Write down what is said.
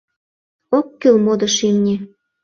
Ок кӱл модыш имне